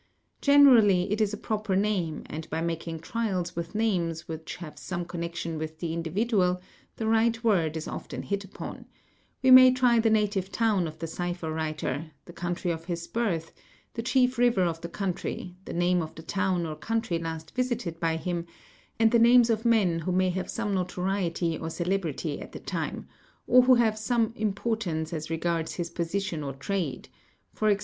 Generally it is a proper name and by making trials with names which have some connection with the individual the right word is often hit upon: we may try the native town of the cipher writer, | the country of his birth, the chief river of the country, the name of the town or country last visited by him, and the names of men who may have some notoriety or celebrity at the time, or who have some importance as regards his position or trade, e.g.